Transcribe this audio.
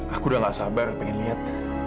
aku udah gak sabar pengen lihat